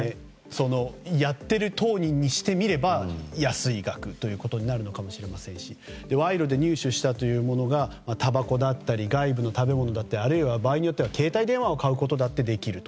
やっている当人にしてみれば安い額となるのかもしれませんし賄賂で入手したというものがたばこだったり外部の食べ物だったりあるいは場合によっては携帯電話を買うこともできると。